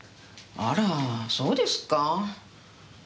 あらそうですか？